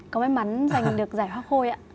có may mắn giành được giải hoa khôi ạ